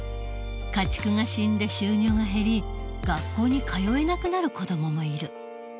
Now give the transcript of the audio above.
家畜が死んで収入が減り学校に通えなくなる子どももいる。